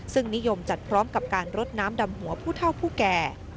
ซึ่งนิยมจัดพร้อมกับการรดน้ำดำหัวผู้เท่าผู้แก่